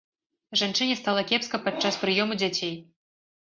Жанчыне стала кепска падчас прыёму дзяцей.